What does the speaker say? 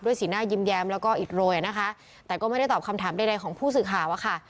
สีหน้ายิ้มแย้มแล้วก็อิดโรยนะคะแต่ก็ไม่ได้ตอบคำถามใดของผู้สื่อข่าวอะค่ะ